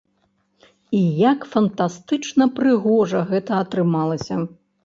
І як фантастычна прыгожа гэта атрымалася.